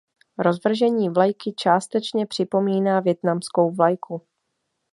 Rozvržení vlajky částečně připomíná vietnamskou vlajku.